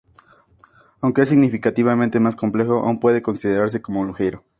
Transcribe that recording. Aunque es significativamente más complejo, aún puede considerarse como ligero.